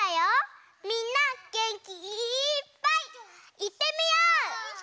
みんなげんきいっぱいいってみよう！